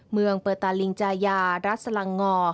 เมืองเปอร์ตาลิงจายารัฐสลังงอ